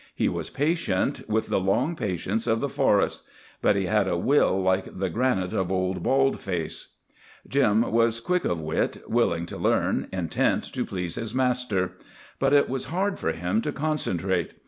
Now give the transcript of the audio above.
He was patient, with the long patience of the forest. But he had a will like the granite of old Bald Face. Jim was quick of wit, willing to learn, intent to please his master. But it was hard for him to concentrate.